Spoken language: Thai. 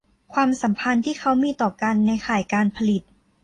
ความสัมพันธ์ที่เขามีต่อกันในข่ายการผลิต